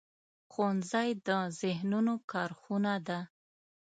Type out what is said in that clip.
ښوونځی د ذهنونو کارخونه ده